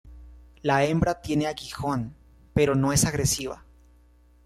La hembra tiene aguijón pero no es agresiva.